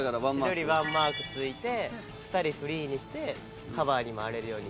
１人マンマークついて２人フリーにしてカバーに回れるように。